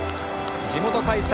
地元開催